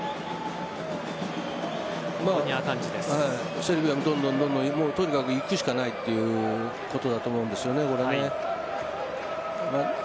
セルビアもどんどんどんどんとにかくいくしかないということだと思うんですよね。